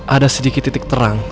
ada sedikit titik terang